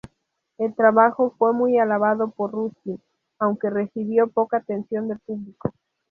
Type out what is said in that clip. El trabajo fue muy alabado por Ruskin, aunque recibió poca atención del público.